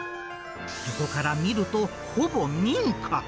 横から見ると、ほぼ民家。